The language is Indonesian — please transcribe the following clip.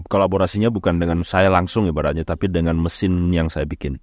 kolaborasinya bukan dengan saya langsung ibaratnya tapi dengan mesin yang saya bikin